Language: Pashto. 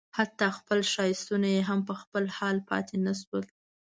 حتی خپل ښایستونه یې هم په خپل حال پاتې نه شول.